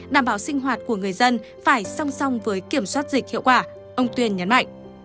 đảm bảo sinh hoạt của người dân phải song song với kiểm soát dịch hiệu quả ông tuyên nhấn mạnh